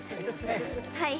はい。